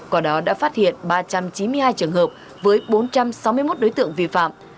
quả đó đã phát hiện ba trăm chín mươi hai trường hợp với bốn trăm sáu mươi một đối tượng vi phạm